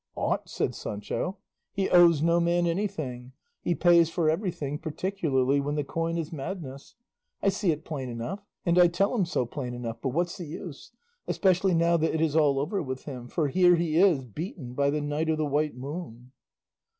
"Ought!" said Sancho; "he owes no man anything; he pays for everything, particularly when the coin is madness. I see it plain enough, and I tell him so plain enough; but what's the use? especially now that it is all over with him, for here he is beaten by the Knight of the White Moon."